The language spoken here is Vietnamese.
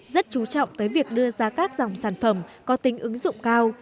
rất chú trọng tới việc đưa ra các dòng sản phẩm có tính ứng dụng cao